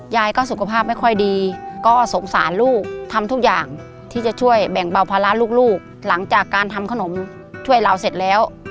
ยายก็สุขภาพไม่ค่อยดีก็สงสารลูกทำทุกอย่างที่จะช่วยแบ่งเบาภาระลูกหลังจากการทำขนมช่วยเราเสร็จแล้ว